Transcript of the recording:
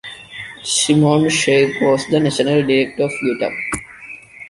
Simon Sheikh was the National Director of GetUp!